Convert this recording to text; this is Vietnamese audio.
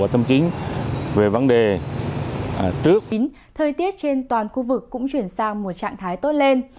thời tiết trên toàn khu vực cũng chuyển sang một trạng thái tốt lên